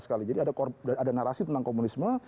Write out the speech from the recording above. sekali jadi ada narasi tentang komunisme